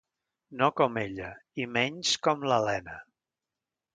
No com ella... i menys com l'Elena!